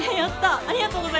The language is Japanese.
ありがとうございます。